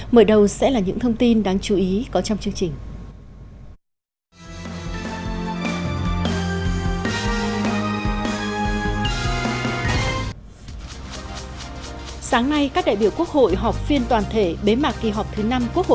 mở đầu sẽ là những thông tin đáng chú ý có trong chương trình